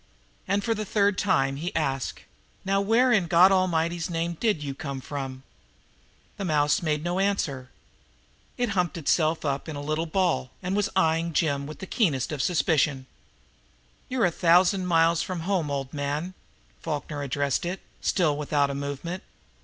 And for the third time he asked. "Now where in God A'mighty's name DID YOU come from?" The mouse made no answer. It had humped itself up into a little ball, and was eyeing Jim with the keenest of suspicion. "You're a thousand miles from home, old man," Falkner addressed it, still without a movement.